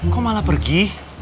kok malah pergi